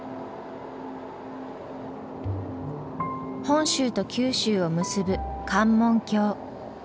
本州と九州を結ぶ関門橋。